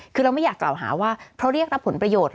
คือเราไม่อยากกล่าวหาว่าเพราะเรียกรับผลประโยชน์